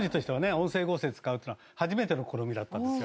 音声合成使うっていうのは初めての試みだったんですよ。